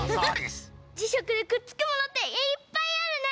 じしゃくでくっつくものっていっぱいあるね！